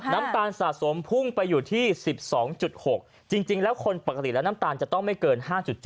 น้ำตาลสะสมพุ่งไปอยู่ที่๑๒๖จริงแล้วคนปกติแล้วน้ำตาลจะต้องไม่เกิน๕๗